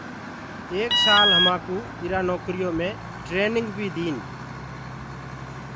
ايڪ سآل همآنٚ ڪوٚ اِرا نوڪريٚ يو مي ٽرينيٚنگ بيٚ ديٚن